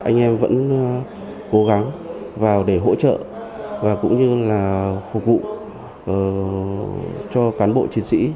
chúng tôi sẽ cố gắng vào để hỗ trợ và cũng như là phục vụ cho cán bộ chiến sĩ